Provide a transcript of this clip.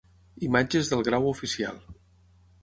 Imatges del grau Oficial.